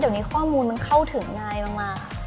เดี๋ยวนี้ข้อมูลมันเข้าถึงง่ายมากค่ะ